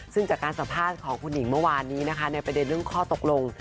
ซึ่งจากการสัมภาษณ์ของคุณหนิงเมื่อวานนี้นะคะในประเด็นเรื่องข้อตกลง